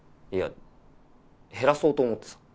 いや減らそうと思ってさ。